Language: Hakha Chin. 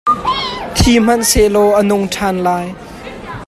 Thi hmanhsehlaw a nung ṭhan lai.